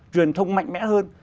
truyền thông mạnh mẽ hơn